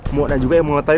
mona juga yang mau tau